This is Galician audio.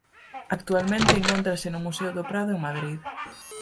Actualmente encóntrase no Museo do Prado en Madrid.